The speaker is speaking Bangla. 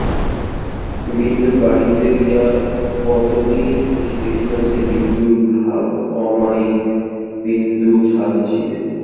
বিন্দুর বাড়িতে গিয়া কতদিন শশী দেখিয়াছে, বিন্দুর ভাব অমায়িক, বিন্দু সাদাসিধে।